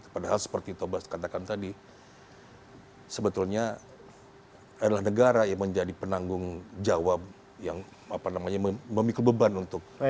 padahal seperti tobas katakan tadi sebetulnya adalah negara yang menjadi penanggung jawab yang memikul beban untuk